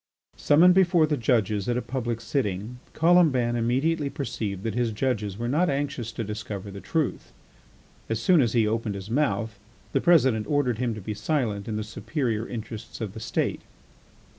Summoned before the judges at a public sitting, Colomban immediately perceived that his judges were not anxious to discover the truth. As soon as he opened his mouth the President ordered him to be silent in the superior interests of the State.